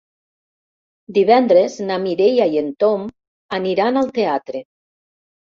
Divendres na Mireia i en Tom aniran al teatre.